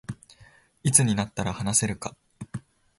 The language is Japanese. いつになったら話せるか